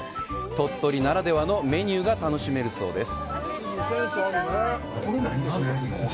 鳥取ならではのメニューが楽しめるそうです。